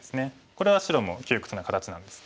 これは白も窮屈な形なんです。